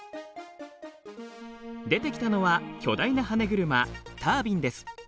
出てきたのは巨大なはね車タービンです。